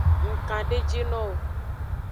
Ng kandejinowo.